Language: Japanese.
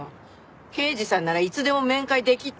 刑事さんならいつでも面会できっとでしょ？